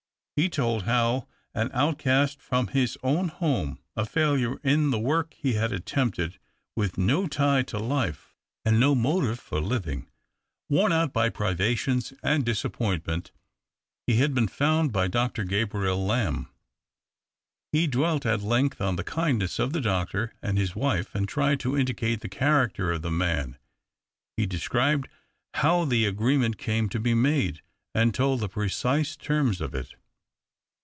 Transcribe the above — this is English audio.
He told how, an outcast from his own home, a failure in the work he had attempted, with no tie to life, THE OCTAVE OF CLAUDIUS. 231 and no motive for living, worn out by privations and disappointment, lie had been found by Dr. Gabriel Lamb. He dwelt at length on the kindness of the doctor and his wife, and tried to indicate the character of the man. He described how the agreement came to be made, and told the precise terms of it.